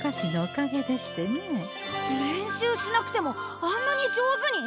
練習しなくてもあんなに上手に？